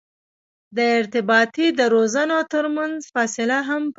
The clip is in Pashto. د ارتباطي درزونو ترمنځ فاصله هم پیدا کوو